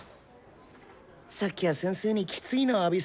さっきは先生にきついの浴びせられたな。